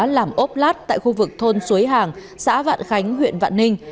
làm ốp lát tại khu vực thôn xuối hàng xã vạn khánh huyện vạn ninh